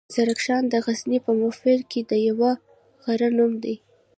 زرکشان دغزني پهمفر کې د يوۀ غرۀ نوم دی.